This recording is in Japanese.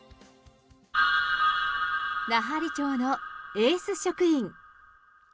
奈半利町のエース職員。